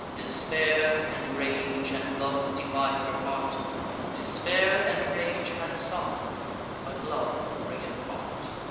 Despair, and rage, and love divide her heart; Despair and rage had some, but love the greater part.